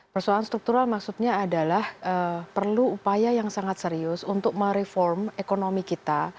persoalan struktural maksudnya adalah perlu upaya yang sangat serius untuk mereform ekonomi kita